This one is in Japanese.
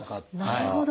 なるほど。